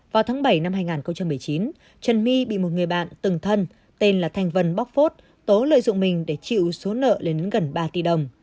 vào tháng bảy năm hai nghìn một mươi chín trần my bị một người bạn từng thân tên là thành vân bóc phốt tố lợi dụng mình để chịu số nợ đến gần ba tỷ đồng